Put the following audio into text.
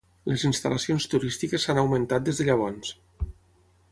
Les instal·lacions turístiques s'han augmentat des de llavors.